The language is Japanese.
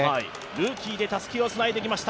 ルーキーでたすきをつないできました